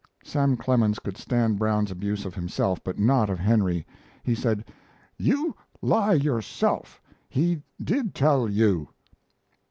Sam Clemens could stand Brown's abuse of himself, but not of Henry. He said: "You lie yourself. He did tell you."